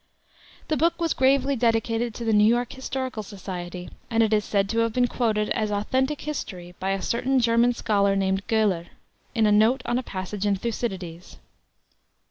The book was gravely dedicated to the New York Historical Society, and it is said to have been quoted, as authentic history, by a certain German scholar named Goeller, in a note on a passage in Thucydides.